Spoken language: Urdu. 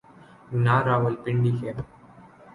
نہ راولپنڈی کے۔